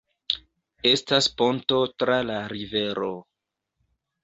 Estas ponto tra la rivero.